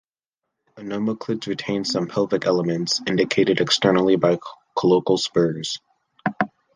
Anomochilids retain some pelvic elements, indicated externally by cloacal spurs.